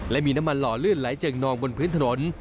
และมีน้ำมันหล่อลื่นไหลเจิ่งนองบนพื้นถนน